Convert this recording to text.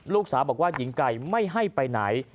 ลูกสาวบอกว่าหญิงไก่ไม่ให้ไปไหน